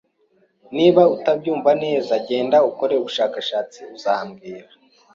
Niba utabyumva neza, genda ukore ubushakashatsi uzambwira